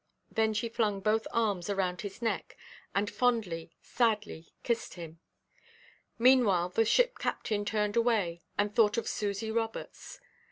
Then she flung both arms around his neck, and fondly, sadly, kissed him. Meanwhile the ship–captain turned away, and thought of Susy Roberts.